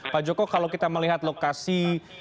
pak joko kalau kita melihat lokasi